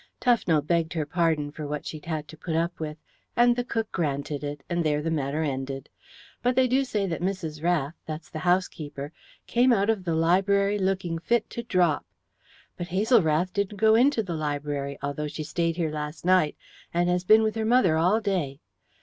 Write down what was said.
Tufnell begged her pardon for what she'd had to put up with, and the cook granted it, and there the matter ended. But they do say that Mrs. Rath that's the housekeeper came out of the library looking fit to drop. But Hazel Rath didn't go into the library, although she stayed here last night, and has been with her mother all day.